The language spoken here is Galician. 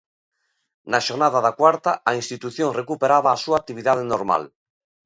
Na xornada da cuarta, a institución recuperaba a súa actividade normal.